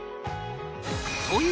という